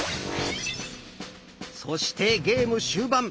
そしてゲーム終盤。